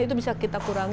itu bisa kita mengurangi